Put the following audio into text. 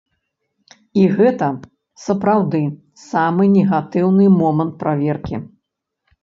І гэта, сапраўды, самы негатыўны момант праверкі.